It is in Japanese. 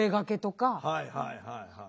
はいはいはいはい。